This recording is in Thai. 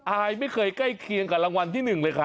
อายไม่เคยใกล้เคียงกับรางวัลที่๑เลยค่ะ